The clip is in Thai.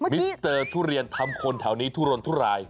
มิสเตอร์ทุเรียนทำคนแถวนี้ทุรนทุราย